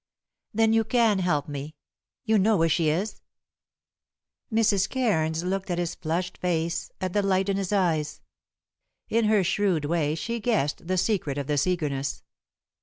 "Then you can help me. You know where she is?" Mrs. Cairns looked at his flushed face, at the light in his eyes. In her shrewd way she guessed the secret of this eagerness.